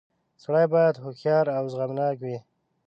• سړی باید هوښیار او زغمناک وي.